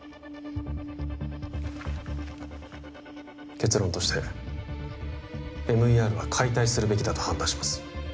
結論としてＭＥＲは解体するべきだと判断します